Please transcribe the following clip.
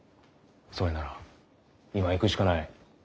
それなら今行くしかない。